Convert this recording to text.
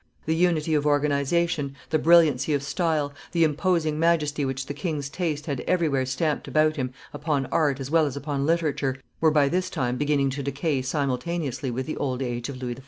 The unity of organization, the brilliancy of style, the imposing majesty which the king's taste had everywhere stamped about him upon art as well as upon literature, were by this time beginning to decay simultaneously with the old age of Louis XIV.